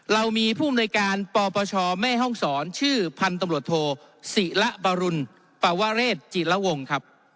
เรามีผู้อำนวยการปปชแม่ห้องศรชื่อพันธุ์ตำรวจโทศิระบรุณปวเรศจิระวงครับ